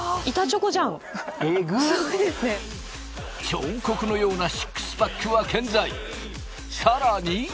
彫刻のようなシックスパックは健在